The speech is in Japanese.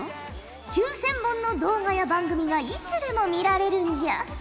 ９０００本の動画や番組がいつでも見られるんじゃ。